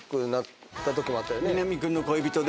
『南くんの恋人』で。